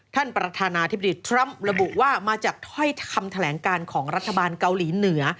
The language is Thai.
ท่านประธานาธิบดีทรัมป์ระบุว่ามาจากถ้อยคำแถลงการของรัฐบาลเกาหลีเหนือ